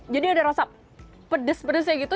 jadi ada rasa pedes pedesnya gitu